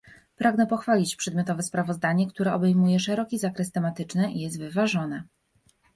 Pragnę pochwalić przedmiotowe sprawozdanie, które obejmuje szeroki zakres tematyczny i jest wyważone